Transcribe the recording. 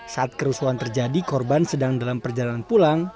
saat kerusuhan terjadi korban sedang dalam perjalanan pulang